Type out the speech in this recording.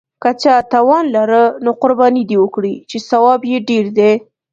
که چا توان لاره نو قرباني دې وکړي، چې ثواب یې ډېر دی.